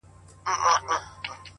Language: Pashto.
• د کسمیر لوري د کابل او د ګواه لوري،